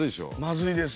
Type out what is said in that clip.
まずいです。